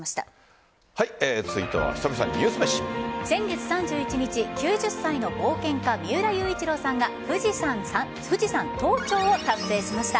続いては先月３１日９０歳の冒険家三浦雄一郎さんが富士山登頂を達成しました。